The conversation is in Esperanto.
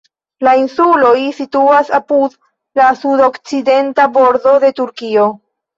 La insuloj situas apud la sudokcidenta bordo de Turkio.